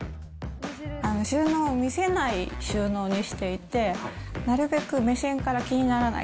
収納を見せない収納にしていて、なるべく目線から気にならない。